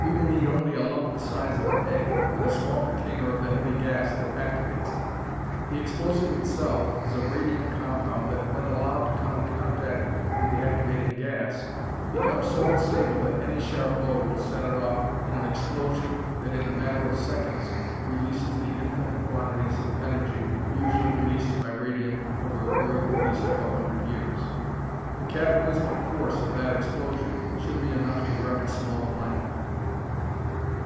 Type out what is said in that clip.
"We will need only a lump the size of an egg, and a small container of the heavy gas that activates it. The explosive itself is a radium compound that, when allowed to come in contact with the activating gas, becomes so unstable that any sharp blow will set it off in an explosion that in a matter of seconds releases the infinite quantities of energy usually released by radium over a period of at least twelve hundred years. The cataclysmic force of that explosion should be enough to wreck a small planet."